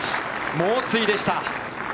猛追でした。